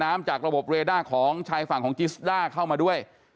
จากระบบเรด้าของชายฝั่งของจิสด้าเข้ามาด้วย